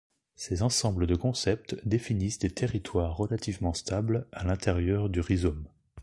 Ces ensembles de concepts définissent des territoires relativement stables à l'intérieur du rhizome.